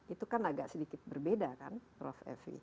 itu kan agak sedikit berbeda kan prof evi